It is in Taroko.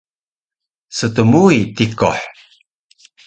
Stmui tikuh